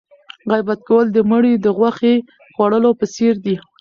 غیبت کول د مړي د غوښې خوړلو په څېر دی.